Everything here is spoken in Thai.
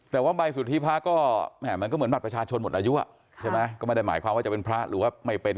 แต่ว่าใบสุทธิพระก็มันก็เหมือนบัตรประชาชนหมดอายุอ่ะใช่ไหมก็ไม่ได้หมายความว่าจะเป็นพระหรือว่าไม่เป็น